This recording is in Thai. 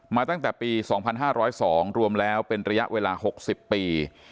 ตั้งแต่ปี๒๕๐๒รวมแล้วเป็นระยะเวลา๖๐ปี